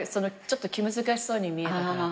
ちょっと気難しそうに見えたから。